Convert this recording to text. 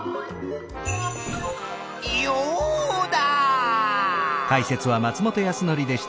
ヨウダ！